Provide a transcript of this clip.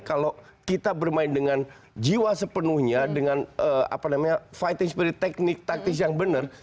kalau kita bermain dengan jiwa sepenuhnya dengan fighting spirit teknik taktis yang benar